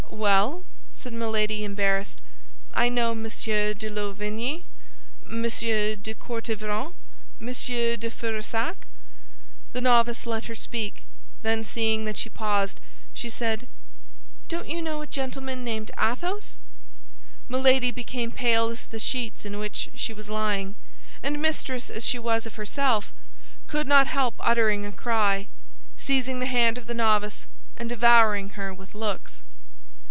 "Well!" said Milady, embarrassed, "I know Monsieur de Louvigny, Monsieur de Courtivron, Monsieur de Ferussac." The novice let her speak, then seeing that she paused, she said, "Don't you know a gentleman named Athos?" Milady became as pale as the sheets in which she was lying, and mistress as she was of herself, could not help uttering a cry, seizing the hand of the novice, and devouring her with looks.